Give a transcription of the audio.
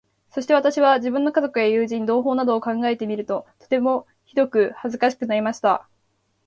そして私は、自分の家族や友人、同胞などを考えてみると、とてもひどく恥かしくなりました。